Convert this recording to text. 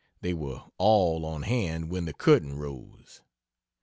They were all on hand when the curtain rose.